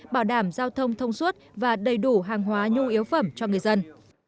bảo đảm giao thông thông suốt và đầy đủ hàng hóa nhu yếu phẩm cho người dân